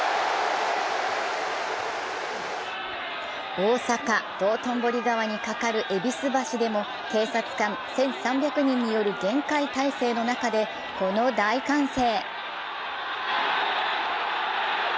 大阪・道頓堀川にかかる戎橋でも警察官１３００人による厳戒態勢の中でこの大歓声。